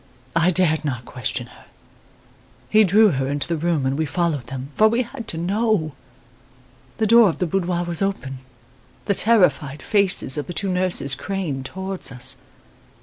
I dared not question her. He drew her into the room and we followed them, for we had to know! The door of the boudoir was open. The terrified faces of the two nurses craned towards us.